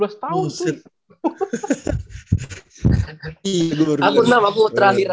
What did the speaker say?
aku enam aku terakhir